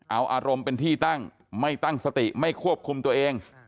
เอาอารมณ์เป็นที่ตั้งไม่ตั้งสติไม่ควบคุมตัวเอง